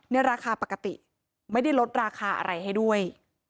ในราคาปกติไม่ได้ลดราคาอะไรให้ด้วย